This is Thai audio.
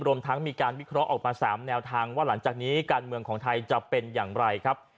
รวมทั้งมีการวิเคราะห์ออกมา๓แนวทางว่าหลังจากนี้การเมืองของไทยจะเป็นอย่างไรครับ